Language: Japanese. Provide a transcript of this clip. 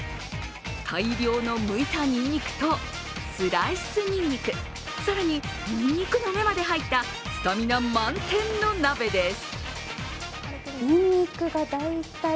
大量のむいたにんにくとスライスにんにく、更に、にんにくの芽まで入ったスタミナ満点の鍋です。